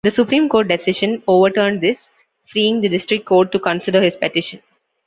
The Supreme Court decision overturned this, freeing the District Court to consider his petition.